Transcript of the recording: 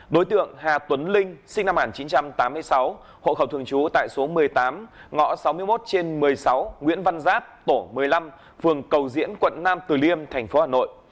đối tượng hà tuấn linh sinh năm một nghìn chín trăm tám mươi sáu hộ khẩu thường trú tại số một mươi tám ngõ sáu mươi một trên một mươi sáu nguyễn văn giáp tổ một mươi năm phường cầu diễn quận nam từ liêm tp hà nội